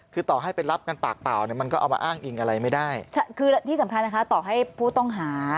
คือที่สำคัญนะคะต่อให้ผู้ต้องหา